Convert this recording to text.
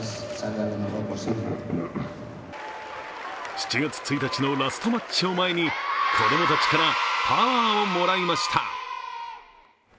７月１日のラストマッチを前に子供たちからパワーをもらいました。